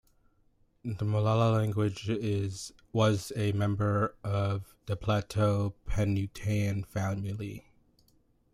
The Molalla language was a member of the Plateau Penutian family.